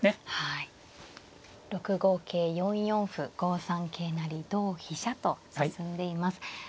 ６五桂４四歩５三桂成同飛車と進んでいます。